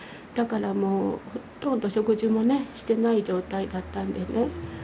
だからもうほとんど食事もねしてない状態だったんでね。